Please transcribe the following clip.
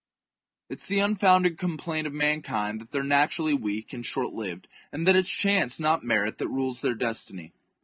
It is the unfounded complaint of mankind that they are naturally weak and short lived, and that it is chance, not merit, that rules their destiny.